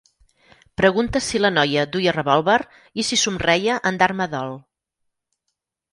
Pregunta si la noia duia revòlver i si somreia en dar-me dol.